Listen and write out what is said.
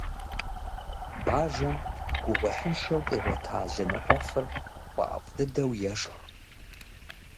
Бажэм гугъуехьыншэу къигъуэта лы ныкъуэфыр фӀэӀэфӀ дыдэу ешх.